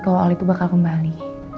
kalau oli tuh bakal kembali